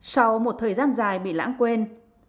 sau một thời gian dài bị lãng quên